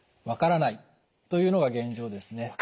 分からないというのが現状ですね。